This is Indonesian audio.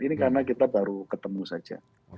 ini karena kita baru ketemu saja